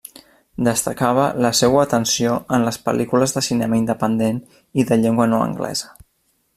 Destacava la seua atenció en les pel·lícules de cinema independent i de llengua no anglesa.